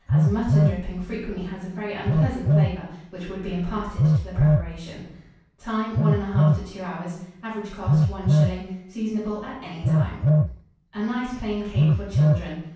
as mutton dripping frequently has a very unpleasant flavour, which would be imparted to the preparation. Time. 1 1/2 to 2 hours. Average cost, 1s. Seasonable at any time. A NICE PLAIN CAKE FOR CHILDREN.